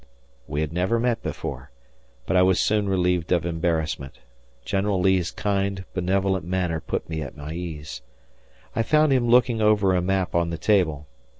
We had never met before, but I was soon relieved of embarrassment; General Lee's kind, benevolent manner put me at ease. I found him looking over a map on the table.